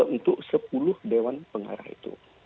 untuk sepuluh dewan pengarah itu